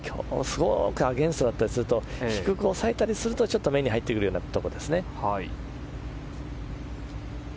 すごくアゲンストだったりすると低く抑えたりすると目に入ってくるようなところですね。